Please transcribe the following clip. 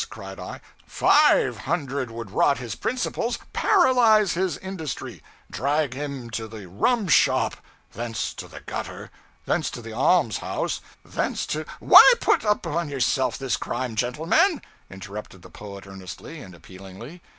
cried I, '_five _hundred would rot his principles, paralyze his industry, drag him to the rumshop, thence to the gutter, thence to the almshouse, thence to ' '_Why _put upon ourselves this crime, gentlemen?' interrupted the poet earnestly and appealingly.